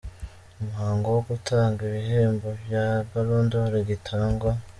Umuhango wo gutanga igihembo cya Ballon d’Or gitangwa.